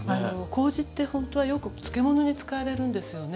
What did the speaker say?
麹ってほんとはよく漬物に使われるんですよね。